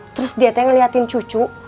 terus dia tanya ngeliatin cucu